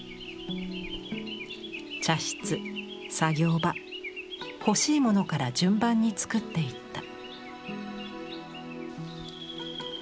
茶室作業場欲しいものから順番につくっていった。